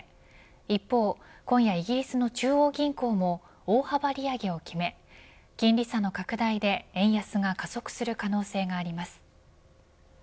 一方、今夜イギリスの中央銀行も大幅利上げを決め金利差の拡大で円安が加速する可能性があります。